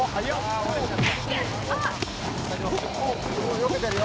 「よけてるよ！」